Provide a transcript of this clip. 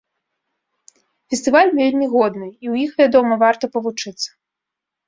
Фестываль вельмі годны, і ў іх, вядома, варта павучыцца.